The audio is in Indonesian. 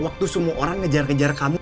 waktu semua orang ngejar ngejar kamu